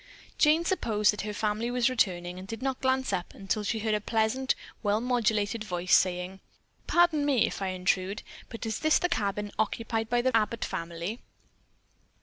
Jane supposed that her family was returning, and did not glance up until she heard a pleasant, well modulated voice saying: "Pardon me if I intrude, but is this the cabin occupied by the Abbott family?"